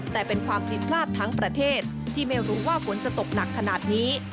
แต่เป็นความผิดพลาดทั้งประเทศที่ไม่รู้ว่าฝนจะตกหนักขนาดนี้